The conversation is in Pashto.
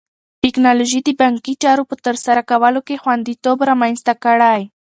ټیکنالوژي د بانکي چارو په ترسره کولو کې خوندیتوب رامنځته کړی.